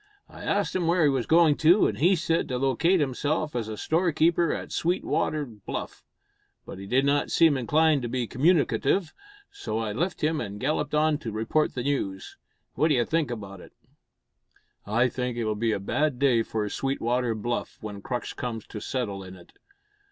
I asked him where he was going to, and he said, to locate himself as a store keeper at Sweetwater Bluff; but he did not seem inclined to be communicative, so I left him and galloped on to report the news. What d'you think about it?" "I think it'll be a bad day for Sweetwater Bluff when Crux comes to settle in it.